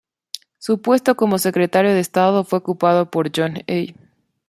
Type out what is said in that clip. Su puesto como secretario de estado fue ocupado por John Hay.